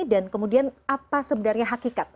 dan kemudian apa sebenarnya hakikat